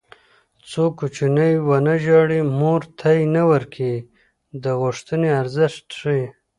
څو کوچنی ونه ژاړي مور تی نه ورکوي د غوښتنې ارزښت ښيي